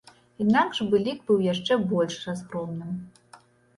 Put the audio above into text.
Інакш бы лік быў яшчэ больш разгромным.